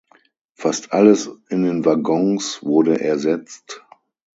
Fast alles in den Waggons wurde ersetzt.